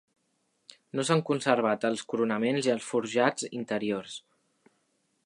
No s'han conservat els coronaments i els forjats interiors.